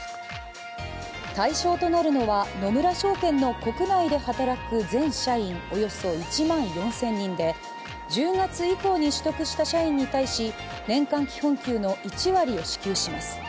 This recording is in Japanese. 対象となるのは野村證券の国内で働く全社員およそ１万４０００人で１０月以降に取得した社員に対し年間基本給の１割を支給します。